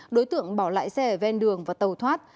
đối tượng bỏ lại xe ở ven đường và tàu thoát